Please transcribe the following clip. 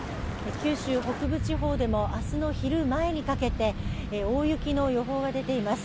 九州北部地方でも明日の昼前にかけて大雪の予報が出ています。